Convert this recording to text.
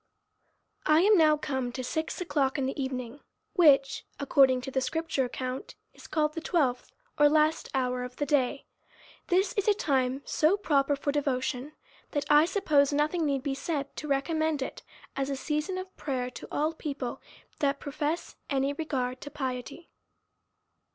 I AM now come to six o'clock in the evening, which, according to the scripture account, is called the twelfth, or last hour of the day. This is a time so proper for devotion, that 1 suppose nothing need be said to re commend it, as a season of prayer, to all people that profess any regard to piety.